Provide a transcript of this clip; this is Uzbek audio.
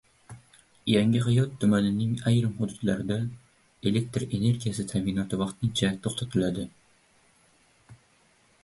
Yangi hayot tumanining ayrim hududlarida elektr energiyasi ta’minoti vaqtincha to‘xtatiladi